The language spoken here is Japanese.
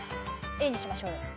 Ａにしましょう。